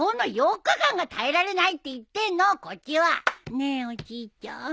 ねえおじいちゃん。